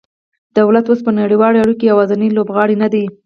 دولت اوس په نړیوالو اړیکو کې یوازینی لوبغاړی نه دی